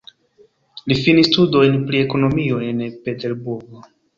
Li finis studojn pri ekonomio en Peterburgo.